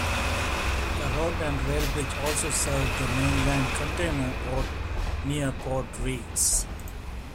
A road and rail bridge also serve the mainland container port near Port Reitz.